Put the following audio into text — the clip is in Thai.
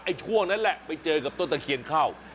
ช่วงนั้นแหละไปเจอกับต้นตะเคียนเข้า